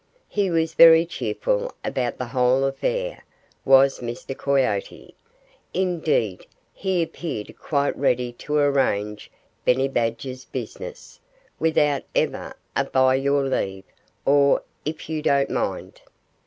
He was very cheerful about the whole affair was Mr. Coyote. Indeed, he appeared quite ready to arrange Benny Badger's business, without ever a "By your leave," or "If you don't mind."